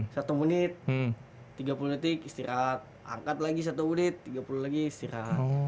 satu menit tiga puluh detik istirahat angkat lagi satu menit tiga puluh lagi istirahat